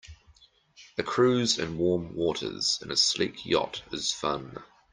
A cruise in warm waters in a sleek yacht is fun.